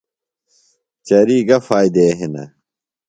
چریۡ گہ فائدے ہِنہ؟